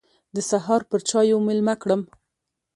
د سهار پر چايو مېلمه کړم.